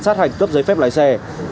sát hạch cấp giấy phép lái xe